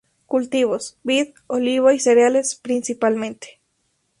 Cultivos: vid, olivo y cereales, principalmente.